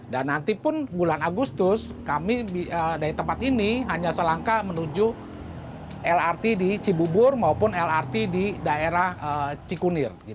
dan nantipun bulan agustus kami dari tempat ini hanya selangkah menuju lrt di cibubur maupun lrt di daerah cikunir